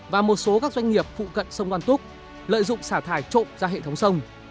và một số các doanh nghiệp phụ cận sông đoan túc lợi dụng xả thải trộm ra hệ thống sông